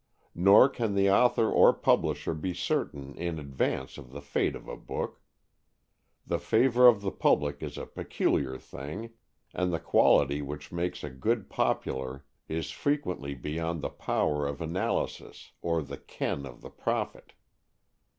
Nor can the author or publisher be certain in advance of the fate of a book. The favor of the public is a peculiar thing, and the quality which makes a book popular is frequently beyond the power of analysis or the ken of the prophet.